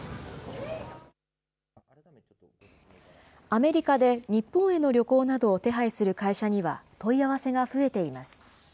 アメリカで日本への旅行などを手配する会社には問い合わせが増えています。